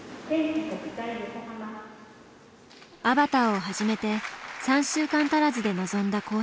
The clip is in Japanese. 「アバター」を始めて３週間足らずで臨んだ公式戦。